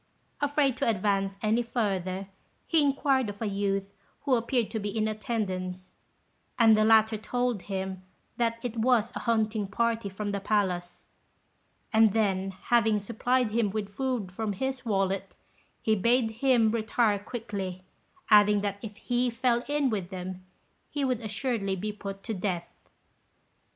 Afraid to advance any further, he inquired of a youth who appeared to be in attendance, and the latter told him that it was a hunting party from the palace; and then, having supplied him with food from his wallet, he bade him retire quickly, adding that if he fell in with them he would assuredly be put to death.